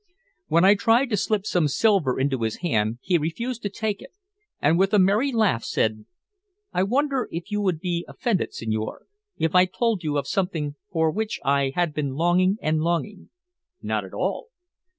When I tried to slip some silver into his hand he refused to take it, and with a merry laugh said "I wonder if you would be offended, signore, if I told you of something for which I had been longing and longing?" "Not at all."